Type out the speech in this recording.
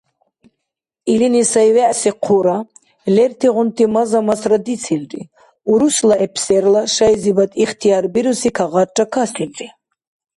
Илини сай-вегӀси хъура, лертигъунти маза-масра дицилри, урусла эпсерла шайзибад ихтиярбируси кагъарра касилри.